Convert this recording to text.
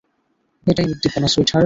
এটাই উদ্দীপনা, সুইটহার্ট।